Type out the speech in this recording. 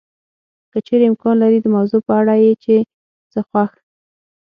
که چېرې امکان لري د موضوع په اړه یې چې څه خوښ